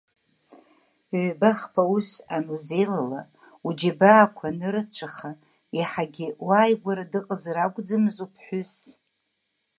Ҩба хԥа ус анузеилала, уџьабаақәа анырацәаха, иаҳагьы уааигәара дыҟазар акәӡамыз уԥҳәыс?